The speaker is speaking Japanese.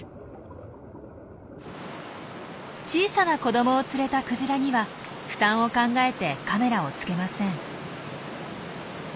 小さな子どもを連れたクジラには負担を考えてカメラをつけません。